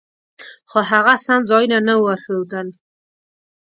خو هغه سم ځایونه نه ورښودل.